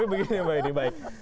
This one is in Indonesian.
tapi begini mbak eni baik